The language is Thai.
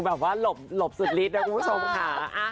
แบบว่าหลบสุดฤทธินะคุณผู้ชมค่ะ